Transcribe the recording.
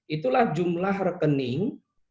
itulah jumlah rekening